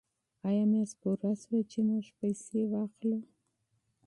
آیا میاشت پوره شوه چې موږ پیسې واخلو؟